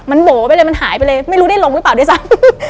มันโบ๋ไปเลยมันหายไปเลยไม่รู้ได้ลงหรือเปล่าด้วยซ้ำ